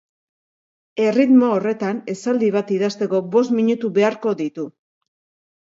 Erritmo horretan esaldi bat idazteko bost minutu beharko ditu.